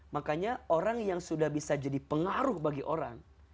makanya orang yang sudah bisa jadi pengaruh bagi orang